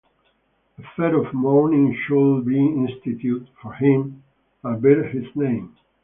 A fair of mourning should be instituted for him and bear his name.